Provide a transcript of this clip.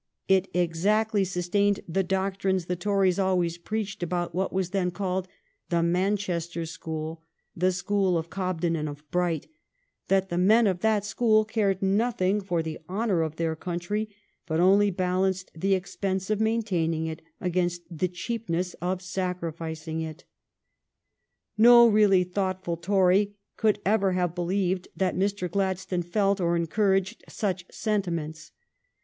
It exactly sustained the doctrines the Tories always preached about what was then called the Manchester school, the school of Cob den and of Bright, that the men of that school cared nothing for the honor of their country, but only balanced the expense of maintaining it against the cheapness of sacrificing it. No really thoughtful Tory could ever have believed that Mr. Gladstone felt or encouraged such senti ments.